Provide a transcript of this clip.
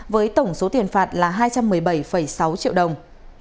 với tổng số tiền phạt là hai trăm một mươi bảy sáu triệu đồng